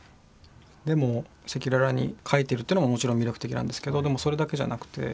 でも赤裸々に書いてるというのももちろん魅力的なんですけどでもそれだけじゃなくて。